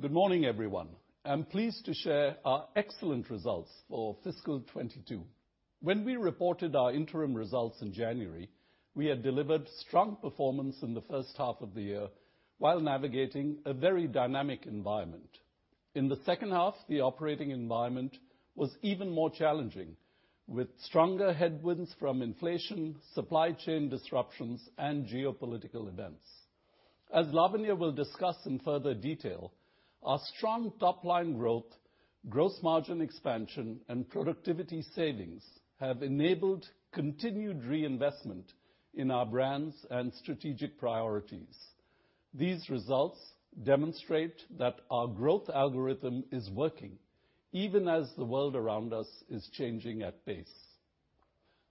Good morning, everyone. I'm pleased to share our excellent results for fiscal 2022. When we reported our interim results in January, we had delivered strong performance in the first half of the year while navigating a very dynamic environment. In the second half, the operating environment was even more challenging, with stronger headwinds from inflation, supply chain disruptions, and geopolitical events. As Lavanya will discuss in further detail, our strong top-line growth, gross margin expansion, and productivity savings have enabled continued reinvestment in our brands and strategic priorities. These results demonstrate that our growth algorithm is working, even as the world around us is changing at pace.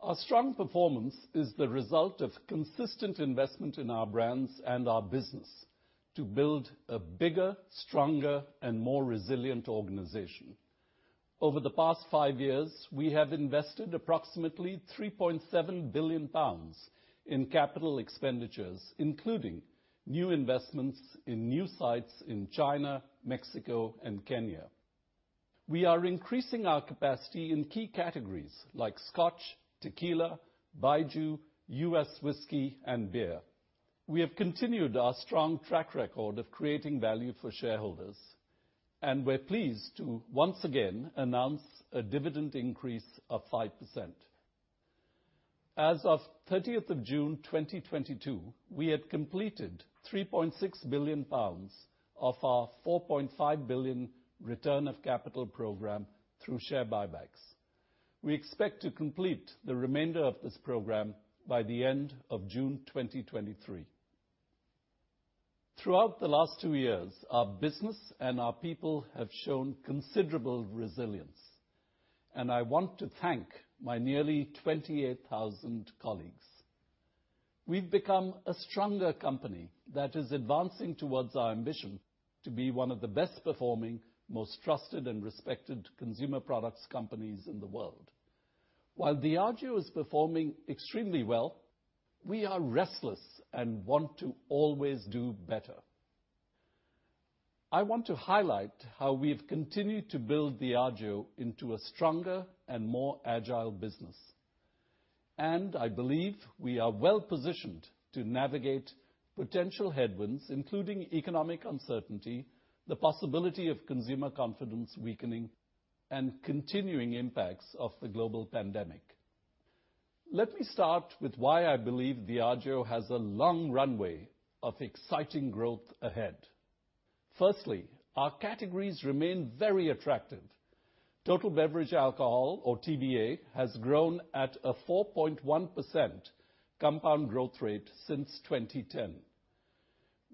Our strong performance is the result of consistent investment in our brands and our business to build a bigger, stronger, and more resilient organization. Over the past five years, we have invested approximately 3.7 billion pounds in capital expenditures, including new investments in new sites in China, Mexico, and Kenya. We are increasing our capacity in key categories like scotch, tequila, baijiu, U.S. whiskey, and beer. We have continued our strong track record of creating value for shareholders, and we're pleased to once again announce a dividend increase of 5%. As of 30th of June 2022, we had completed 3.6 billion pounds of our 4.5 billion return of capital program through share buybacks. We expect to complete the remainder of this program by the end of June 2023. Throughout the last two years, our business and our people have shown considerable resilience, and I want to thank my nearly 28,000 colleagues. We've become a stronger company that is advancing towards our ambition to be one of the best performing, most trusted and respected consumer products companies in the world. While Diageo is performing extremely well, we are restless and want to always do better. I want to highlight how we've continued to build Diageo into a stronger and more agile business, and I believe we are well positioned to navigate potential headwinds, including economic uncertainty, the possibility of consumer confidence weakening, and continuing impacts of the global pandemic. Let me start with why I believe Diageo has a long runway of exciting growth ahead. Firstly, our categories remain very attractive. Total beverage alcohol, or TBA, has grown at a 4.1% compound growth rate since 2010.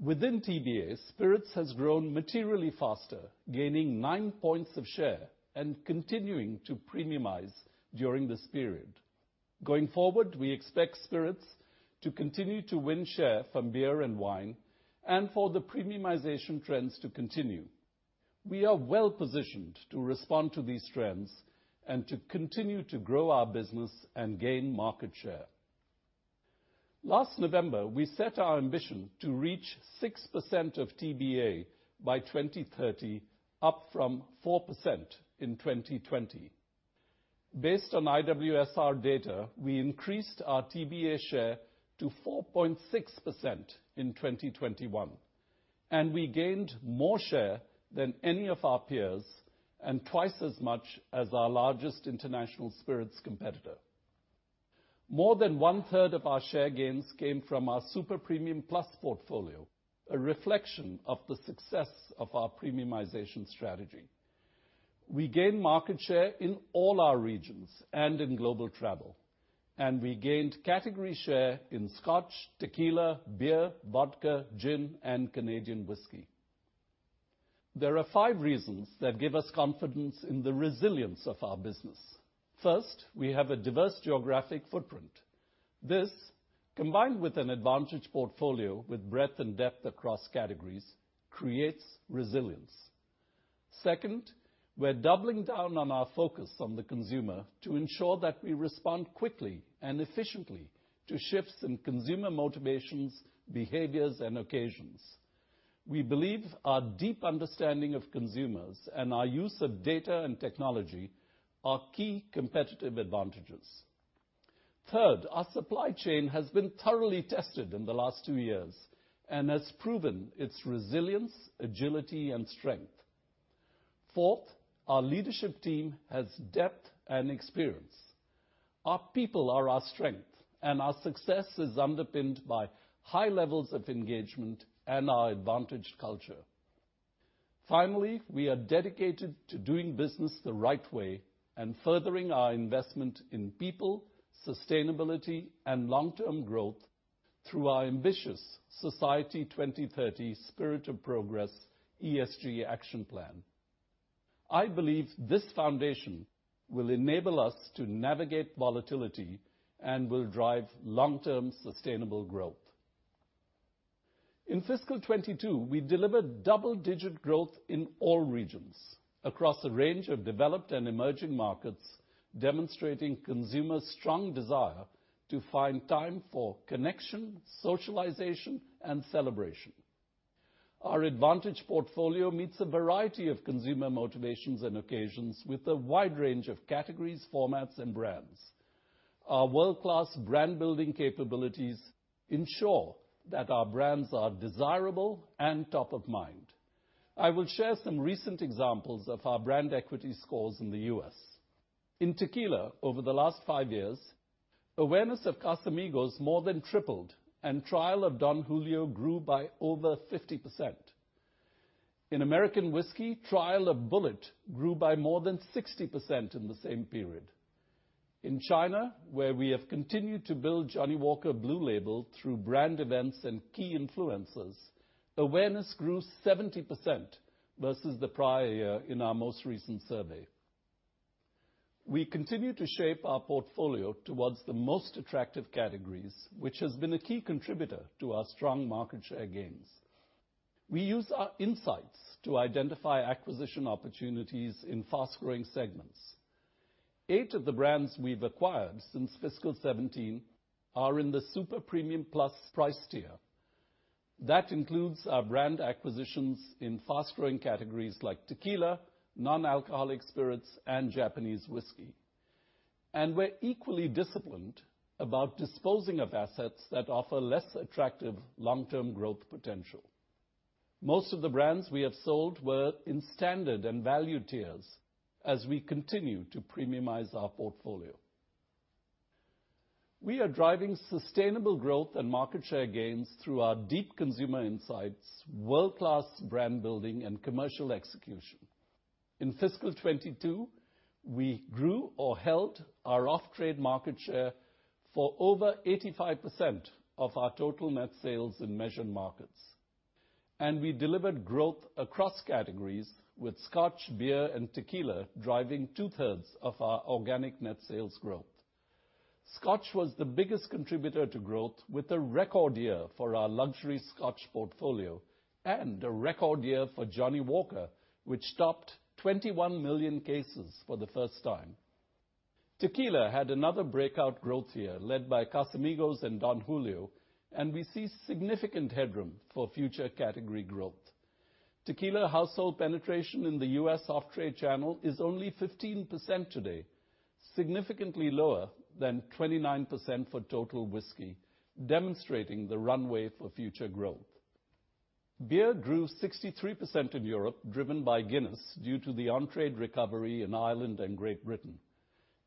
Within TBA, spirits has grown materially faster, gaining 9 points of share and continuing to premiumize during this period. Going forward, we expect spirits to continue to win share from beer and wine and for the premiumization trends to continue. We are well-positioned to respond to these trends and to continue to grow our business and gain market share. Last November, we set our ambition to reach 6% of TBA by 2030, up from 4% in 2020. Based on IWSR data, we increased our TBA share to 4.6% in 2021, and we gained more share than any of our peers and twice as much as our largest international spirits competitor. More than 1/3 of our share gains came from our super premium plus portfolio, a reflection of the success of our premiumization strategy. We gained market share in all our regions and in global travel, and we gained category share in scotch, tequila, beer, vodka, gin, and Canadian whiskey. There are five reasons that give us confidence in the resilience of our business. First, we have a diverse geographic footprint. This, combined with an advantaged portfolio with breadth and depth across categories, creates resilience. Second, we're doubling down on our focus on the consumer to ensure that we respond quickly and efficiently to shifts in consumer motivations, behaviors, and occasions. We believe our deep understanding of consumers and our use of data and technology are key competitive advantages. Third, our supply chain has been thoroughly tested in the last two years and has proven its resilience, agility, and strength. Fourth, our leadership team has depth and experience. Our people are our strength, and our success is underpinned by high levels of engagement and our advantaged culture. Finally, we are dedicated to doing business the right way and furthering our investment in people, sustainability, and long-term growth through our ambitious Society 2030: Spirit of Progress ESG action plan. I believe this foundation will enable us to navigate volatility and will drive long-term sustainable growth. In fiscal 2022, we delivered double-digit growth in all regions across a range of developed and emerging markets, demonstrating consumers' strong desire to find time for connection, socialization, and celebration. Our advantage portfolio meets a variety of consumer motivations and occasions with a wide range of categories, formats, and brands. Our world-class brand-building capabilities ensure that our brands are desirable and top of mind. I will share some recent examples of our brand equity scores in the U.S. In tequila, over the last five years, awareness of Casamigos more than tripled, and trial of Don Julio grew by over 50%. In American whiskey, trial of Bulleit grew by more than 60% in the same period. In China, where we have continued to build Johnnie Walker Blue Label through brand events and key influencers, awareness grew 70% versus the prior year in our most recent survey. We continue to shape our portfolio towards the most attractive categories, which has been a key contributor to our strong market share gains. We use our insights to identify acquisition opportunities in fast-growing segments. Eight of the brands we've acquired since fiscal 2017 are in the super premium plus price tier. That includes our brand acquisitions in fast-growing categories like tequila, non-alcoholic spirits, and Japanese whiskey. We're equally disciplined about disposing of assets that offer less attractive long-term growth potential. Most of the brands we have sold were in standard and value tiers as we continue to premiumize our portfolio. We are driving sustainable growth and market share gains through our deep consumer insights, world-class brand building, and commercial execution. In fiscal 2022, we grew or held our off-trade market share for over 85% of our total net sales in measured markets, and we delivered growth across categories with scotch, beer, and tequila driving 2/3 of our organic net sales growth. Scotch was the biggest contributor to growth with a record year for our luxury Scotch portfolio and a record year for Johnnie Walker, which topped 21 million cases for the first time. Tequila had another breakout growth year led by Casamigos and Don Julio, and we see significant headroom for future category growth. Tequila household penetration in the U.S. off-trade channel is only 15% today, significantly lower than 29% for total whiskey, demonstrating the runway for future growth. Beer grew 63% in Europe, driven by Guinness, due to the on-trade recovery in Ireland and Great Britain,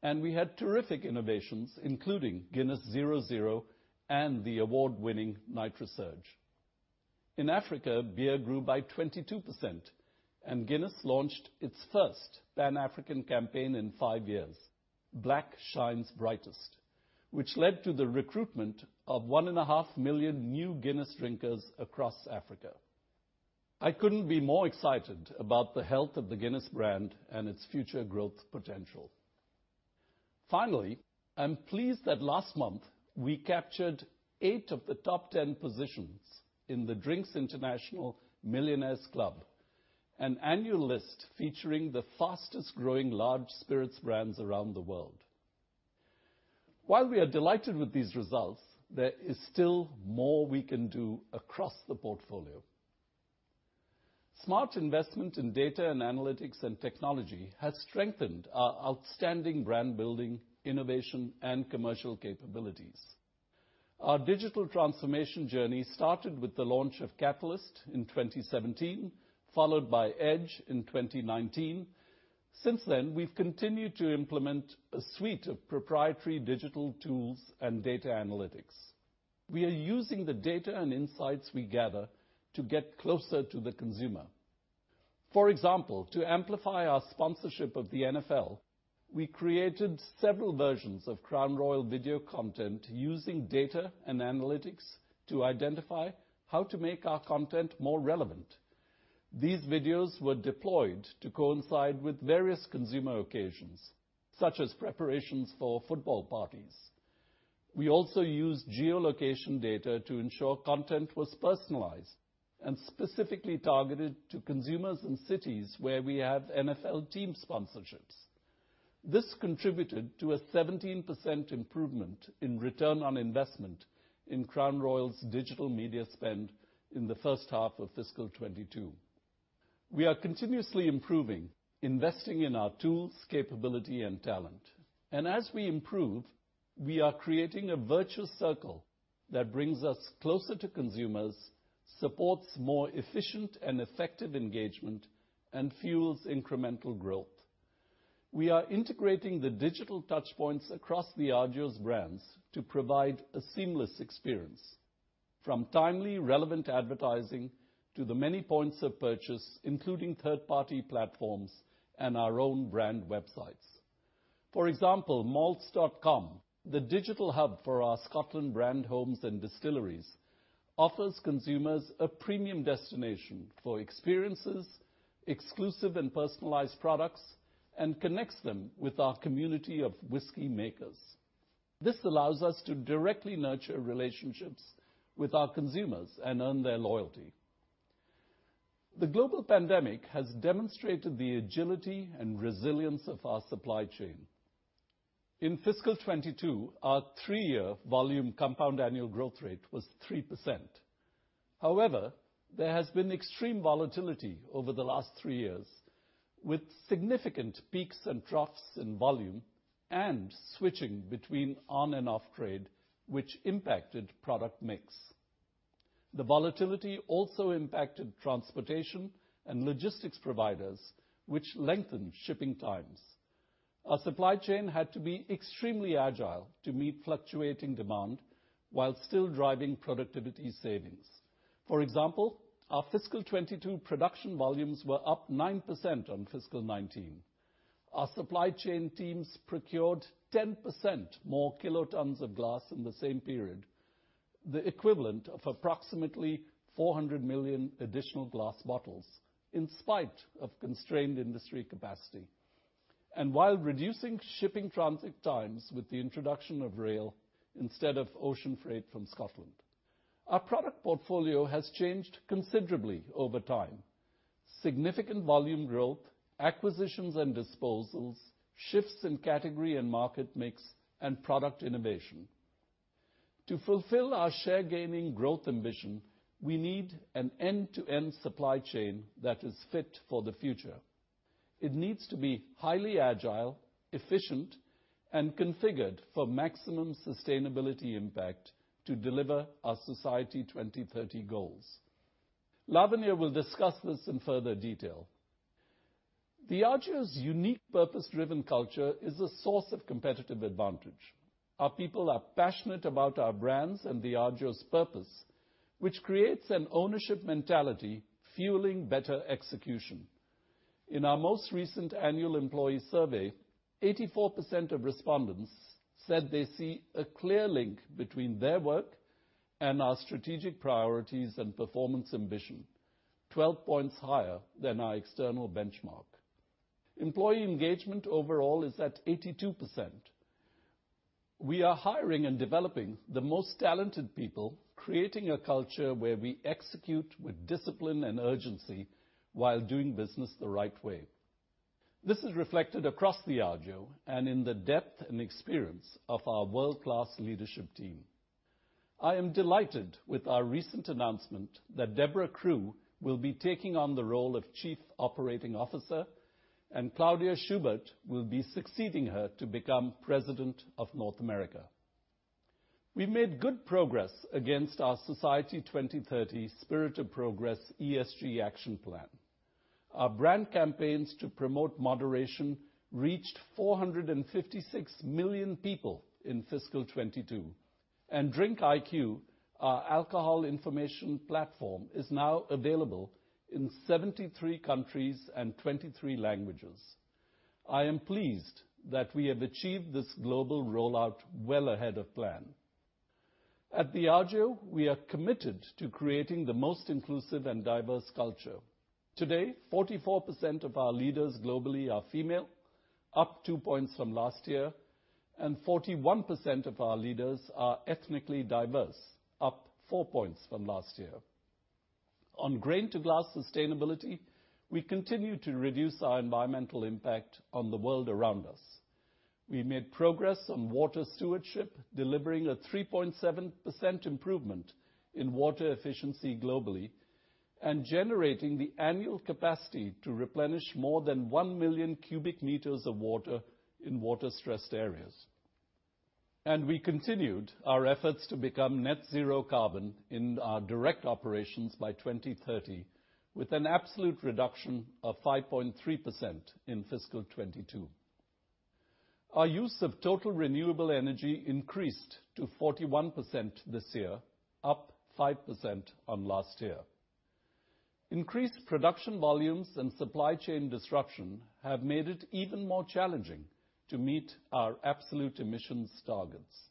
and we had terrific innovations, including Guinness 0.0 and the award-winning NITROSURGE. In Africa, beer grew by 22%, and Guinness launched its first Pan-African campaign in five years, Black Shines Brightest, which led to the recruitment of 1.5 million new Guinness drinkers across Africa. I couldn't be more excited about the health of the Guinness brand and its future growth potential. Finally, I'm pleased that last month we captured eight of the top 10 positions in the Drinks International Millionaires' Club, an annual list featuring the fastest growing large spirits brands around the world. While we are delighted with these results, there is still more we can do across the portfolio. Smart investment in data and analytics and technology has strengthened our outstanding brand-building innovation and commercial capabilities. Our digital transformation journey started with the launch of Catalyst in 2017, followed by Edge in 2019. Since then, we've continued to implement a suite of proprietary digital tools and data analytics. We are using the data and insights we gather to get closer to the consumer. For example, to amplify our sponsorship of the NFL, we created several versions of Crown Royal video content using data and analytics to identify how to make our content more relevant. These videos were deployed to coincide with various consumer occasions, such as preparations for football parties. We also used geolocation data to ensure content was personalized and specifically targeted to consumers in cities where we have NFL team sponsorships. This contributed to a 17% improvement in return on investment in Crown Royal's digital media spend in the first half of fiscal 2022. We are continuously improving, investing in our tools, capability, and talent, and as we improve, we are creating a virtuous circle that brings us closer to consumers, supports more efficient and effective engagement, and fuels incremental growth. We are integrating the digital touchpoints across our brands to provide a seamless experience from timely, relevant advertising to the many points of purchase, including third-party platforms and our own brand websites. For example, Malts.com, the digital hub for our Scotland brand homes and distilleries, offers consumers a premium destination for experiences, exclusive and personalized products, and connects them with our community of whiskey makers. This allows us to directly nurture relationships with our consumers and earn their loyalty. The global pandemic has demonstrated the agility and resilience of our supply chain. In fiscal 2022, our three-year volume compound annual growth rate was 3%. However, there has been extreme volatility over the last three years, with significant peaks and troughs in volume and switching between on and off trade, which impacted product mix. The volatility also impacted transportation and logistics providers, which lengthened shipping times. Our supply chain had to be extremely agile to meet fluctuating demand while still driving productivity savings. For example, our fiscal 2022 production volumes were up 9% on fiscal 2019. Our supply chain teams procured 10% more kilotons of glass in the same period, the equivalent of approximately 400 million additional glass bottles, in spite of constrained industry capacity. While reducing shipping transit times with the introduction of rail instead of ocean freight from Scotland. Our product portfolio has changed considerably over time. Significant volume growth, acquisitions and disposals, shifts in category and market mix, and product innovation. To fulfill our share gaining growth ambition, we need an end-to-end supply chain that is fit for the future. It needs to be highly agile, efficient, and configured for maximum sustainability impact to deliver our Society 2030 goals. Lavanya will discuss this in further detail. Diageo's unique purpose-driven culture is a source of competitive advantage. Our people are passionate about our brands and Diageo's purpose, which creates an ownership mentality, fueling better execution. In our most recent annual employee survey, 84% of respondents said they see a clear link between their work and our strategic priorities and performance ambition, 12 points higher than our external benchmark. Employee engagement overall is at 82%. We are hiring and developing the most talented people, creating a culture where we execute with discipline and urgency while doing business the right way. This is reflected across Diageo and in the depth and experience of our world-class leadership team. I am delighted with our recent announcement that Debra Crew will be taking on the role of chief operating officer, and Claudia Schubert will be succeeding her to become President of North America. We made good progress against our Society 2030 Spirit of Progress ESG action plan. Our brand campaigns to promote moderation reached 456 million people in fiscal 2022. DrinkIQ, our alcohol information platform, is now available in 73 countries and 23 languages. I am pleased that we have achieved this global rollout well ahead of plan. At Diageo, we are committed to creating the most inclusive and diverse culture. Today, 44% of our leaders globally are female, up two points from last year, and 41% of our leaders are ethnically diverse, up four points from last year. On grain to glass sustainability, we continue to reduce our environmental impact on the world around us. We made progress on water stewardship, delivering a 3.7% improvement in water efficiency globally and generating the annual capacity to replenish more than 1 million cu m of water in water-stressed areas. We continued our efforts to become net zero carbon in our direct operations by 2030, with an absolute reduction of 5.3% in fiscal 2022. Our use of total renewable energy increased to 41% this year, up 5% on last year. Increased production volumes and supply chain disruption have made it even more challenging to meet our absolute emissions targets.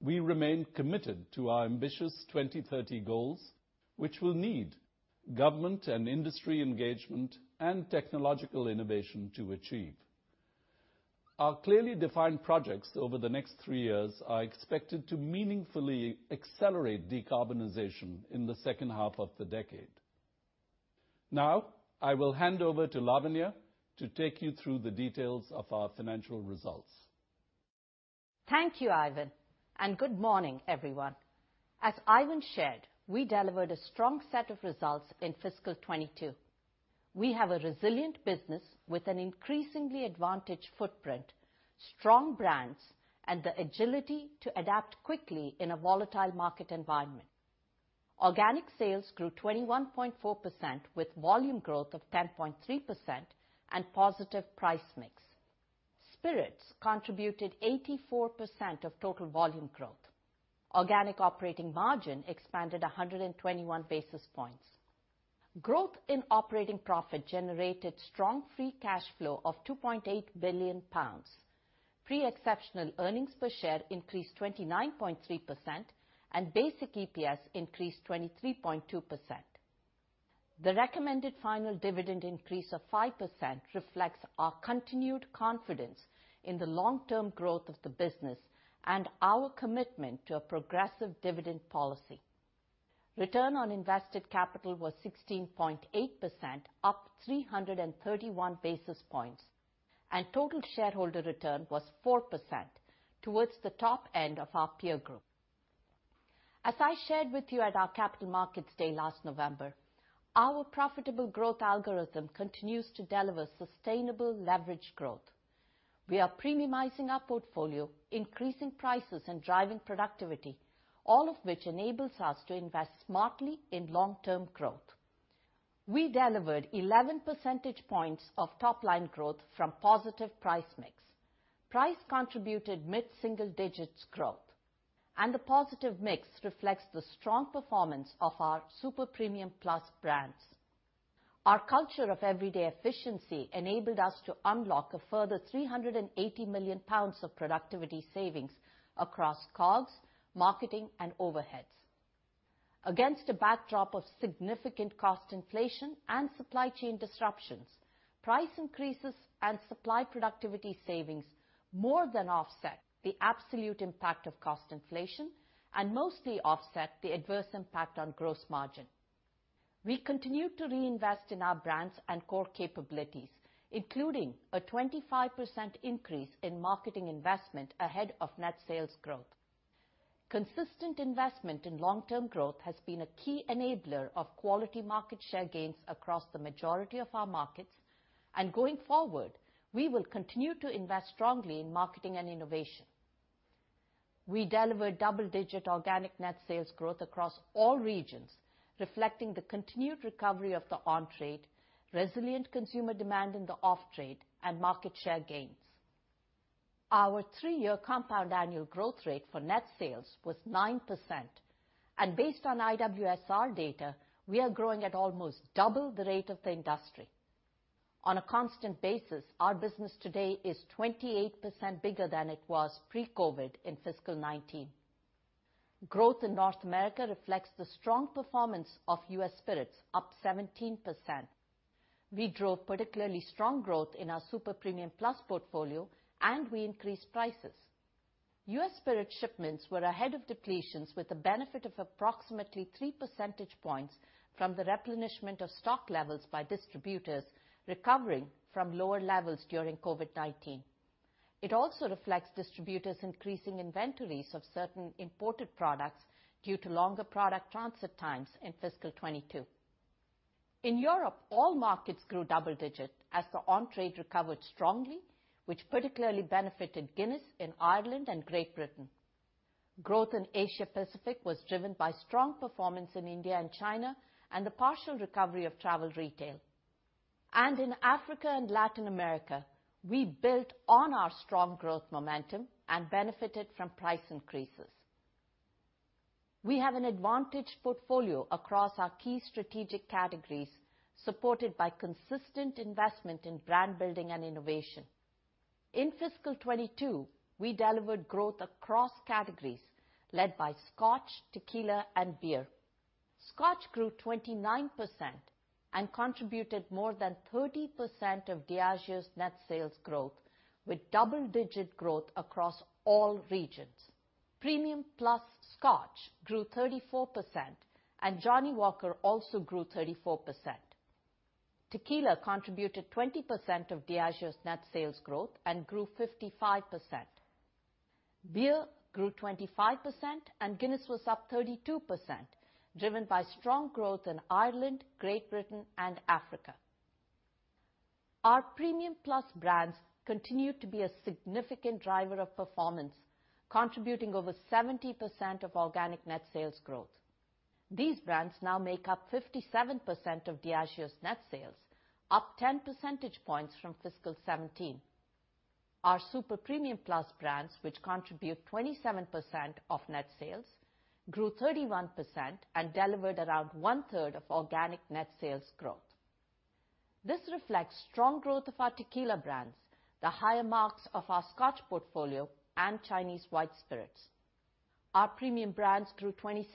We remain committed to our ambitious 2030 goals, which will need government and industry engagement and technological innovation to achieve. Our clearly defined projects over the next three years are expected to meaningfully accelerate decarbonization in the second half of the decade. Now, I will hand over to Lavanya to take you through the details of our financial results. Thank you, Ivan, and good morning, everyone. As Ivan shared, we delivered a strong set of results in fiscal 2022. We have a resilient business with an increasingly advantaged footprint, strong brands, and the agility to adapt quickly in a volatile market environment. Organic sales grew 21.4% with volume growth of 10.3% and positive price mix. Spirits contributed 84% of total volume growth. Organic operating margin expanded 121 basis points. Growth in operating profit generated strong free cash flow of 2.8 billion pounds. Pre-exceptional earnings per share increased 29.3%, and basic EPS increased 23.2%. The recommended final dividend increase of 5% reflects our continued confidence in the long-term growth of the business, and our commitment to a progressive dividend policy. Return on Invested Capital was 16.8%, up 331 basis points. Total shareholder return was 4%, towards the top end of our peer group. As I shared with you at our Capital Markets Day last November, our profitable growth algorithm continues to deliver sustainable leverage growth. We are premiumizing our portfolio, increasing prices, and driving productivity, all of which enables us to invest smartly in long-term growth. We delivered 11 percentage points of top-line growth from positive price mix. Price contributed mid-single digits growth, and the positive mix reflects the strong performance of our super premium plus brands. Our culture of everyday efficiency enabled us to unlock a further 380 million pounds of productivity savings across COGS, marketing, and overheads. Against a backdrop of significant cost inflation and supply chain disruptions, price increases and supply productivity savings more than offset the absolute impact of cost inflation, and mostly offset the adverse impact on gross margin. We continued to reinvest in our brands and core capabilities, including a 25% increase in marketing investment ahead of net sales growth. Consistent investment in long-term growth has been a key enabler of quality market share gains across the majority of our markets. Going forward, we will continue to invest strongly in marketing and innovation. We delivered double-digit organic net sales growth across all regions, reflecting the continued recovery of the on-trade, resilient consumer demand in the off-trade, and market share gains. Our three-year compound annual growth rate for net sales was 9%, and based on IWSR data, we are growing at almost double the rate of the industry. On a constant basis, our business today is 28% bigger than it was pre-COVID in fiscal 2019. Growth in North America reflects the strong performance of U.S. Spirits, up 17%. We drove particularly strong growth in our super premium plus portfolio, and we increased prices. U.S. Spirits shipments were ahead of depletions with the benefit of approximately 3 percentage points from the replenishment of stock levels by distributors recovering from lower levels during COVID-19. It also reflects distributors increasing inventories of certain imported products due to longer product transit times in fiscal 2022. In Europe, all markets grew double-digit as the on-trade recovered strongly, which particularly benefited Guinness in Ireland and Great Britain. Growth in Asia Pacific was driven by strong performance in India and China, and the partial recovery of travel retail. In Africa and Latin America, we built on our strong growth momentum and benefited from price increases. We have an advantaged portfolio across our key strategic categories, supported by consistent investment in brand building and innovation. In fiscal 2022, we delivered growth across categories led by scotch, tequila, and beer. Scotch grew 29%, and contributed more than 30% of Diageo's net sales growth, with double-digit growth across all regions. Premium plus scotch grew 34%, and Johnnie Walker also grew 34%. Tequila contributed 20% of Diageo's net sales growth and grew 55%. Beer grew 25%, and Guinness was up 32% driven by strong growth in Ireland, Great Britain, and Africa. Our premium plus brands continued to be a significant driver of performance, contributing over 70% of organic net sales growth. These brands now make up 57% of Diageo's net sales, up 10 percentage points from fiscal 2017. Our super premium plus brands, which contribute 27% of net sales, grew 31% and delivered around one-third of organic net sales growth. This reflects strong growth of our tequila brands, the higher marques of our Scotch portfolio, and Chinese white spirits. Our premium brands grew 26%,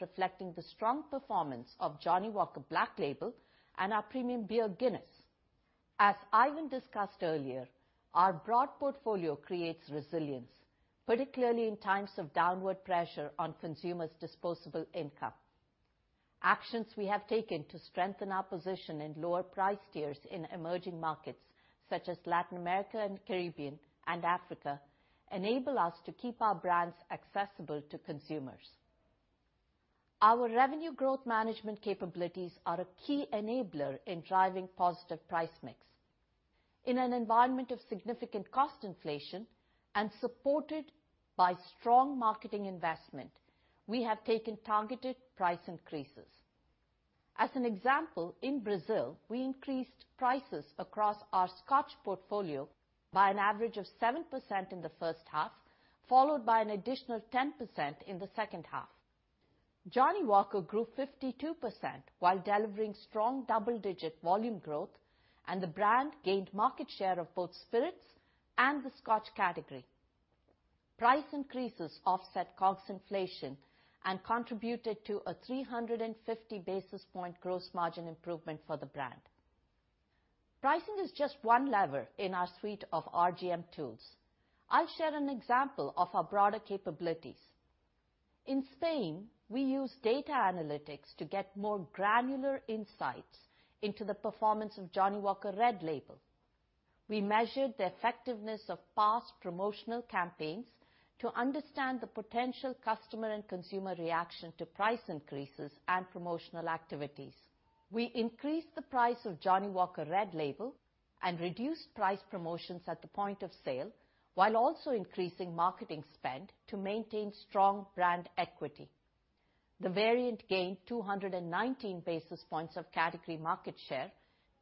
reflecting the strong performance of Johnnie Walker Black Label and our premium beer, Guinness. As Ivan discussed earlier, our broad portfolio creates resilience, particularly in times of downward pressure on consumers' disposable income. Actions we have taken to strengthen our position in lower price tiers in emerging markets such as Latin America and Caribbean and Africa enable us to keep our brands accessible to consumers. Our revenue growth management capabilities are a key enabler in driving positive price mix. In an environment of significant cost inflation and supported by strong marketing investment, we have taken targeted price increases. As an example, in Brazil, we increased prices across our Scotch portfolio by an average of 7% in the first half, followed by an additional 10% in the second half. Johnnie Walker grew 52% while delivering strong double-digit volume growth, and the brand gained market share of both spirits and the Scotch category. Price increases offset COGS inflation and contributed to a 350 basis point gross margin improvement for the brand. Pricing is just one lever in our suite of RGM tools. I'll share an example of our broader capabilities. In Spain, we use data analytics to get more granular insights into the performance of Johnnie Walker Red Label. We measured the effectiveness of past promotional campaigns to understand the potential customer and consumer reaction to price increases and promotional activities. We increased the price of Johnnie Walker Red Label and reduced price promotions at the point of sale, while also increasing marketing spend to maintain strong brand equity. The variant gained 219 basis points of category market share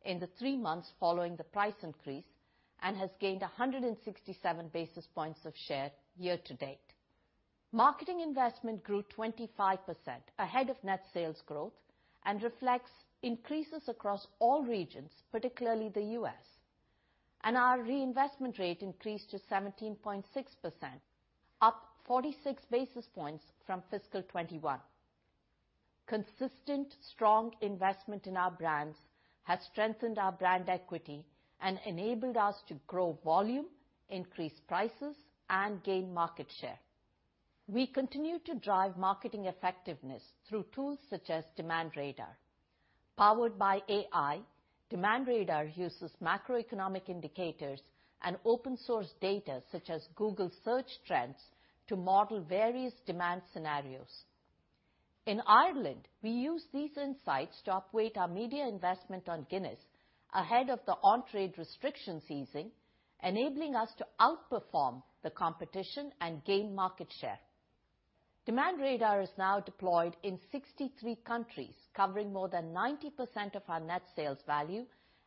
in the three months following the price increase, and has gained 167 basis points of share year-to-date. Marketing investment grew 25% ahead of net sales growth, and reflects increases across all regions, particularly the US. Our reinvestment rate increased to 17.6%, up 46 basis points from fiscal 2021. Consistent, strong investment in our brands has strengthened our brand equity and enabled us to grow volume, increase prices, and gain market share. We continue to drive marketing effectiveness through tools such as Demand Radar. Powered by AI, Demand Radar uses macroeconomic indicators and open source data such as Google search trends to model various demand scenarios. In Ireland, we use these insights to upweight our media investment on Guinness ahead of the on-trade restrictions easing, enabling us to outperform the competition and gain market share. Demand Radar is now deployed in 63 countries, covering more than 90% of our net sales value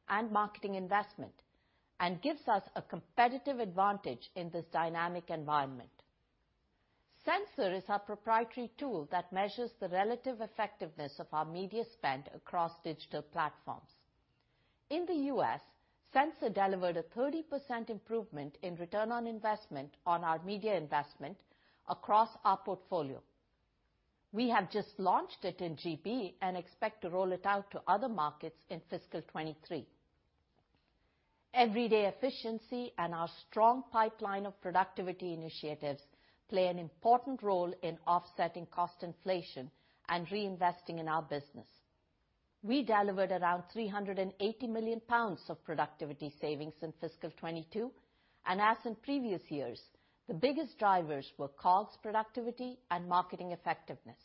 and marketing investment, and gives us a competitive advantage in this dynamic environment. Sensor is our proprietary tool that measures the relative effectiveness of our media spend across digital platforms. In the U.S., Sensor delivered a 30% improvement in return on investment on our media investment across our portfolio. We have just launched it in GB and expect to roll it out to other markets in fiscal 2023. Every day efficiency and our strong pipeline of productivity initiatives play an important role in offsetting cost inflation and reinvesting in our business. We delivered around 380 million pounds of productivity savings in fiscal 2022, and as in previous years, the biggest drivers were COGS productivity and marketing effectiveness.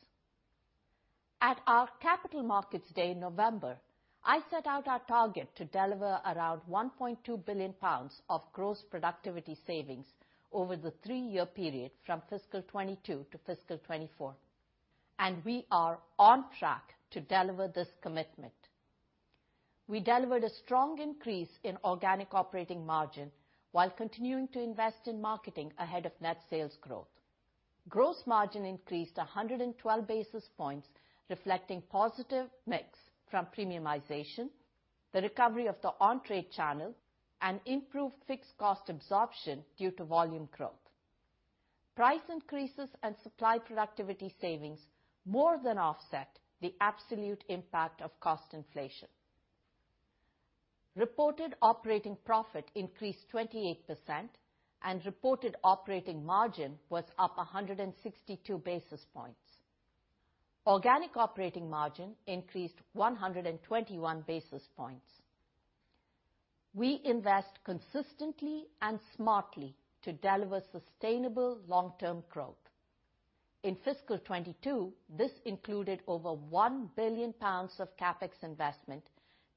At our Capital Markets Day in November, I set out our target to deliver around 1.2 billion pounds of gross productivity savings over the three-year period from fiscal 2022 to fiscal 2024, and we are on track to deliver this commitment. We delivered a strong increase in organic operating margin while continuing to invest in marketing ahead of net sales growth. Gross margin increased 112 basis points, reflecting positive mix from premiumization, the recovery of the on-trade channel, and improved fixed cost absorption due to volume growth. Price increases and supply productivity savings more than offset the absolute impact of cost inflation. Reported operating profit increased 28% and reported operating margin was up 162 basis points. Organic operating margin increased 121 basis points. We invest consistently and smartly to deliver sustainable long-term growth. In fiscal 2022, this included over 1 billion pounds of CapEx investment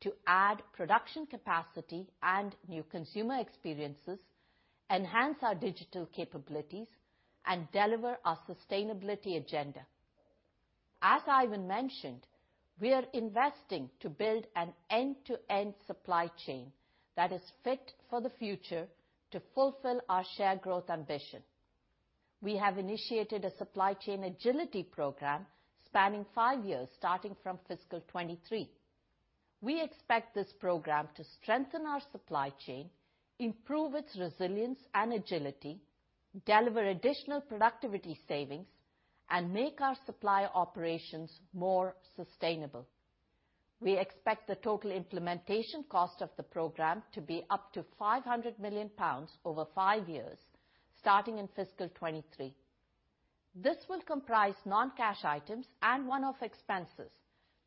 to add production capacity and new consumer experiences, enhance our digital capabilities, and deliver our sustainability agenda. As Ivan mentioned, we are investing to build an end-to-end supply chain that is fit for the future to fulfill our share growth ambition. We have initiated a supply chain agility program spanning five years, starting from fiscal 2023. We expect this program to strengthen our supply chain, improve its resilience and agility, deliver additional productivity savings, and make our supply operations more sustainable. We expect the total implementation cost of the program to be up to 500 million pounds over five years, starting in fiscal 2023. This will comprise non-cash items and one-off expenses,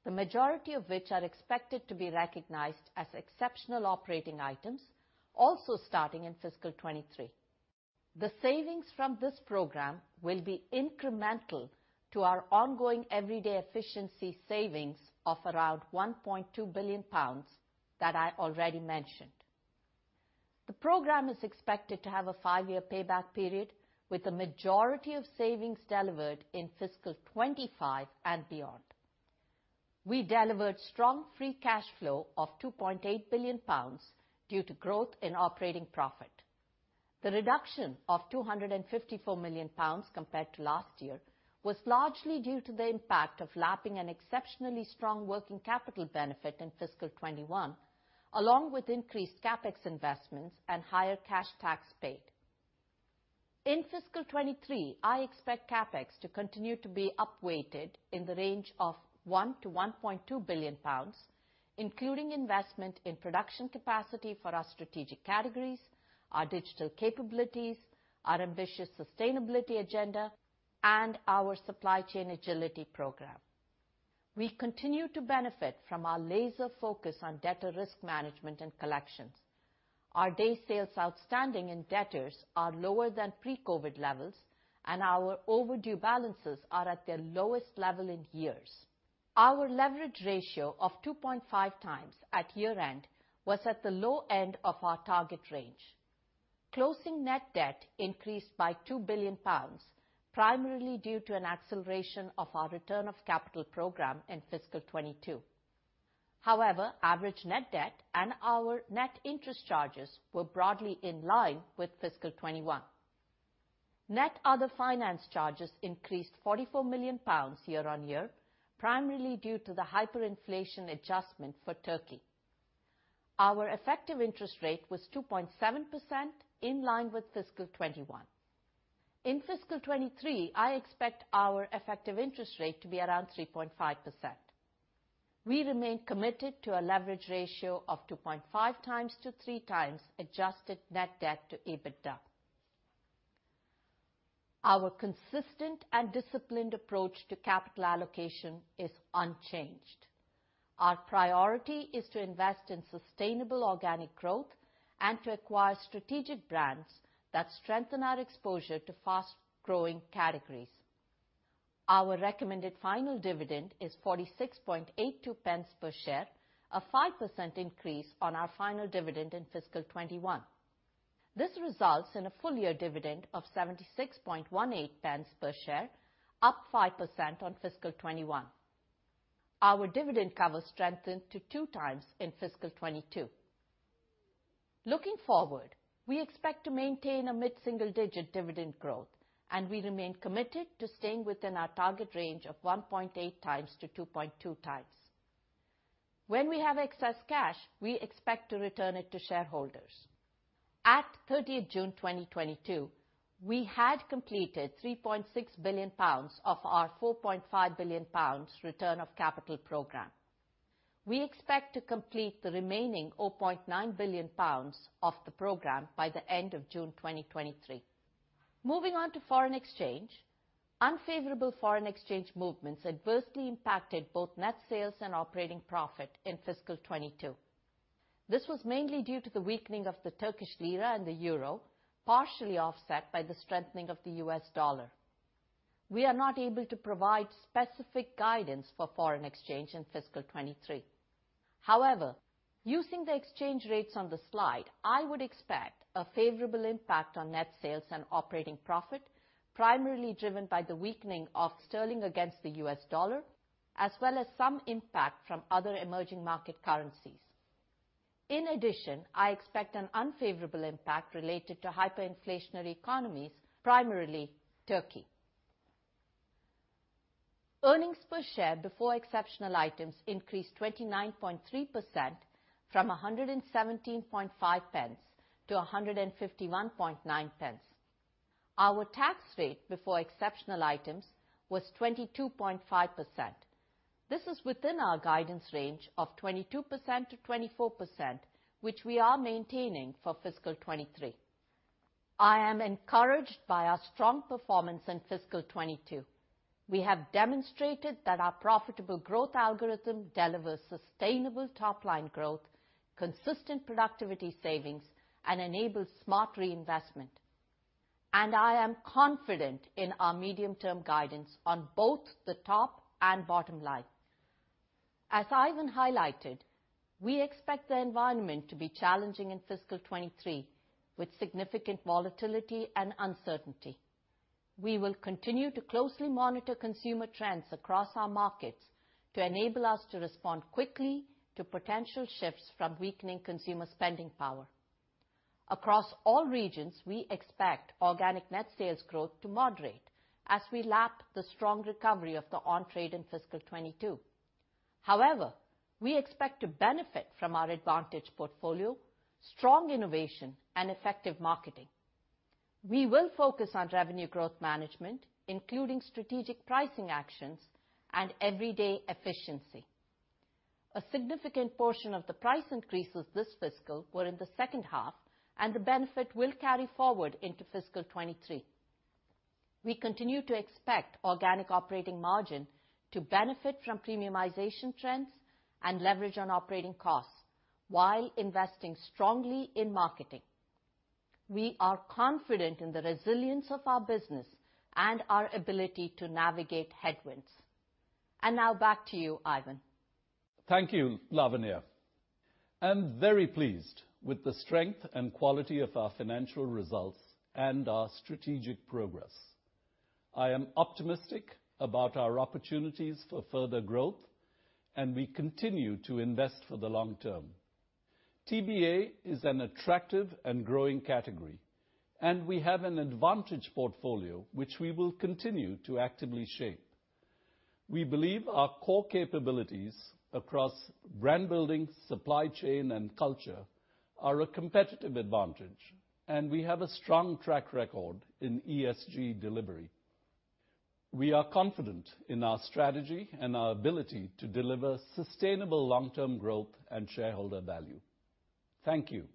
the majority of which are expected to be recognized as exceptional operating items, also starting in fiscal 2023. The savings from this program will be incremental to our ongoing everyday efficiency savings of around 1.2 billion pounds that I already mentioned. The program is expected to have a five-year payback period, with the majority of savings delivered in fiscal 2025 and beyond. We delivered strong free cash flow of 2.8 billion pounds due to growth in operating profit. The reduction of 254 million pounds compared to last year was largely due to the impact of lapping an exceptionally strong working capital benefit in fiscal 2021, along with increased CapEx investments and higher cash tax paid. In fiscal 2023, I expect CapEx to continue to be upweighted in the range of 1 billion-1.2 billion pounds, including investment in production capacity for our strategic categories, our digital capabilities, our ambitious sustainability agenda, and our supply chain agility program. We continue to benefit from our laser focus on debtor risk management and collections. Our days sales outstanding in debtors are lower than pre-COVID levels, and our overdue balances are at their lowest level in years. Our leverage ratio of 2.5x at year-end was at the low end of our target range. Closing net debt increased by 2 billion pounds, primarily due to an acceleration of our return of capital program in fiscal 2022. However, average net debt and our net interest charges were broadly in line with fiscal 2021. Net other finance charges increased 44 million pounds year on year, primarily due to the hyperinflation adjustment for Turkey. Our effective interest rate was 2.7%, in line with fiscal 2021. In fiscal 2023, I expect our effective interest rate to be around 3.5%. We remain committed to a leverage ratio of 2.5x-3x adjusted net debt to EBITDA. Our consistent and disciplined approach to capital allocation is unchanged. Our priority is to invest in sustainable organic growth and to acquire strategic brands that strengthen our exposure to fast-growing categories. Our recommended final dividend is .4682 per share, a 5% increase on our final dividend in fiscal 2021. This results in a full year dividend of .7618 per share, up 5% on fiscal 2021. Our dividend cover strengthened to 2x in fiscal 2022. Looking forward, we expect to maintain a mid-single digit dividend growth, and we remain committed to staying within our target range of 1.8x-2.2x. When we have excess cash, we expect to return it to shareholders. At 30th June 2022, we had completed 3.6 billion pounds of our 4.5 billion pounds return of capital program. We expect to complete the remaining 0.9 billion pounds of the program by the end of June 2023. Moving on to foreign exchange. Unfavorable foreign exchange movements adversely impacted both net sales and operating profit in fiscal 2022. This was mainly due to the weakening of the Turkish Lira and the Euro, partially offset by the strengthening of the U.S. dollar. We are not able to provide specific guidance for foreign exchange in fiscal 2023. However, using the exchange rates on the slide, I would expect a favorable impact on net sales and operating profit, primarily driven by the weakening of sterling against the U.S. dollar, as well as some impact from other emerging market currencies. In addition, I expect an unfavorable impact related to hyperinflationary economies, primarily Turkey. Earnings per share before exceptional items increased 29.3% from 1.175 to 1.519. Our tax rate before exceptional items was 22.5%. This is within our guidance range of 22%-24%, which we are maintaining for fiscal 2023. I am encouraged by our strong performance in fiscal 2022. We have demonstrated that our profitable growth algorithm delivers sustainable top-line growth, consistent productivity savings, and enables smart reinvestment. I am confident in our medium term guidance on both the top and bottom line. As Ivan highlighted, we expect the environment to be challenging in fiscal 2023, with significant volatility and uncertainty. We will continue to closely monitor consumer trends across our markets to enable us to respond quickly to potential shifts from weakening consumer spending power. Across all regions, we expect organic net sales growth to moderate as we lap the strong recovery of the on trade in fiscal 2022. However, we expect to benefit from our advantage portfolio, strong innovation, and effective marketing. We will focus on revenue growth management, including strategic pricing actions and everyday efficiency. A significant portion of the price increases this fiscal were in the second half, and the benefit will carry forward into fiscal 2023. We continue to expect organic operating margin to benefit from premiumization trends and leverage on operating costs while investing strongly in marketing. We are confident in the resilience of our business and our ability to navigate headwinds. Now back to you, Ivan. Thank you, Lavanya. I'm very pleased with the strength and quality of our financial results and our strategic progress. I am optimistic about our opportunities for further growth, and we continue to invest for the long term. TBA is an attractive and growing category, and we have an advantaged portfolio which we will continue to actively shape. We believe our core capabilities across brand building, supply chain, and culture are a competitive advantage, and we have a strong track record in ESG delivery. We are confident in our strategy and our ability to deliver sustainable long-term growth and shareholder value. Thank you.